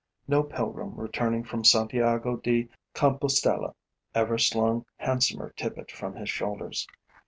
No pilgrim returning from Santiago de Compostella ever slung handsomer tippet from his shoulders.